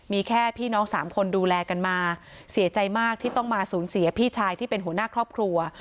มีแค่พี่น้องสามคนดูแลกันมาเสียใจมากที่ต้องมาสูญเสียพี่ชายที่เป็นหัวหน้าครอบครัว